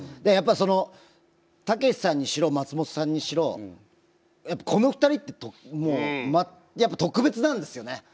やっぱそのたけしさんにしろ松本さんにしろこの２人ってやっぱ特別なんですよね。